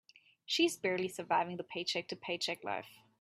She is barely surviving the paycheck to paycheck life.